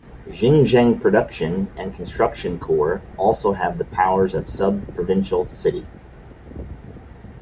Xinjiang Production and Construction Corps also has the powers of a sub-provincial city.